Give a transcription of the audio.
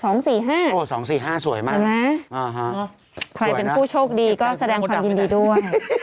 โอ้โฮ๒๔๕สวยมากนะสวยนะโอ้โฮสวยนะใครเป็นผู้โชคดีก็แสดงความยินดีด้วย